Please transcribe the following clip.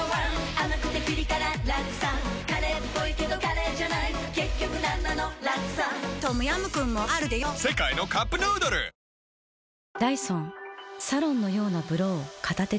甘くてピリ辛ラクサカレーっぽいけどカレーじゃない結局なんなのラクサトムヤムクンもあるでヨ世界のカップヌードルいらっしゃいませ！